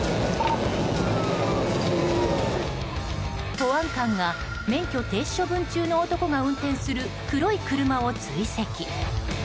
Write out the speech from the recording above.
保安官が免許停止処分中の男が運転する黒い車を追跡。